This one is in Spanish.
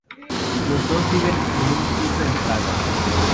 Los dos viven en un piso en Praga.